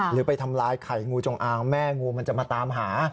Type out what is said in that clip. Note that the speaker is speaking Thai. หรือไปทำลายไข่งูจงอางแม่งูมันจะมาตามหา